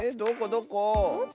どこ？